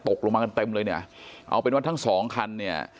ตกลงมากันเต็มเลยเนี่ยเอาเป็นว่าทั้งสองคันเนี่ย